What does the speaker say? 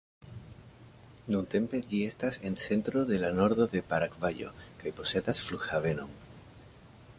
Nuntempe ĝi estas centro en la nordo de Paragvajo kaj posedas flughavenon.